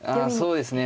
そうですね。